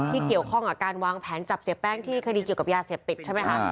ที่เกี่ยวข้องกับการวางแผนจับเสียแป้งที่คดีเกี่ยวกับยาเสพติดใช่ไหมคะ